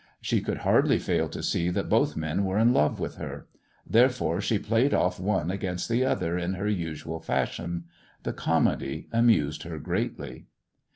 She could hardly fail to see that both men were in love with her; therefore she played off one against the other in her usual fashion. The comedy amused her greatly.